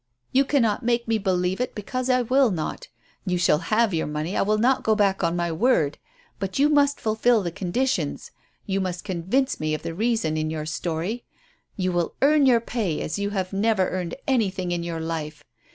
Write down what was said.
"You cannot make me believe it because I will not. You shall have your money, I will not go back on my word; but you must fulfil the conditions. You must convince me of the reason in your story. You will earn your pay as you have never earned anything in your life.